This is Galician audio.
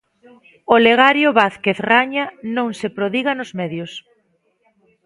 Olegario Vázquez Raña non se prodiga nos medios.